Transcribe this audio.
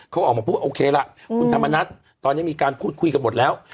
เขาออกมาพูดว่าโอเคล่ะคุณธรรมนัฐตอนนี้มีการพูดคุยกันหมดแล้ว